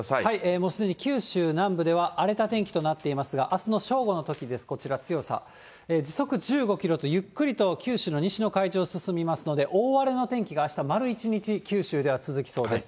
もうすでに九州南部では荒れた天気となっていますが、あすの正午のときです、こちら、強さ、時速１５キロとゆっくりと九州の西の海上を進みますので、大荒れの天気があした丸一日、九州では続きそうです。